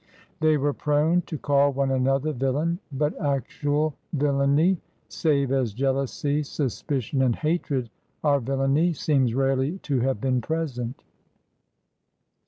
They were prone to call one another villain, but actual villainy — save as jealousy, sus picion, and hatred are villainy — seems rarely to have been present.